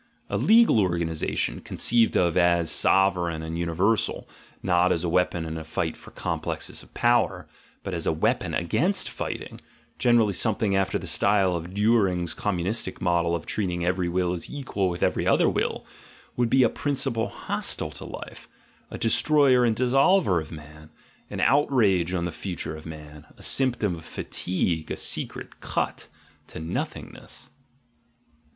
A legal organisation, conceived of as sovereign and universal, not as a weapon in a fight of complexes of power, but as a weapon against fighting, generally something after the style of Diihring's com munistic model of treating every will as equal with every 66 THE GENEALOGY OF MORALS other will, would be a principle hostile to life, a destroyer and dissolver of man, an outrage on the future of man, a symptom of fatigue, a secret cut to Nothingness.